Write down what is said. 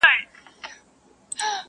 دا کيسه پوښتنه پرېږدي تل تل,